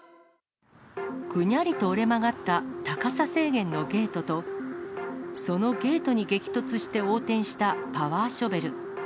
ぐにゃりと折れ曲がった、高さ制限のゲートと、そのゲートに激突して横転したパワーショベル。